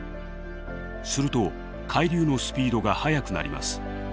すると海流のスピードが速くなります。